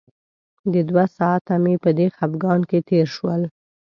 د دوه ساعته مې په دې خپګان کې تېر شول.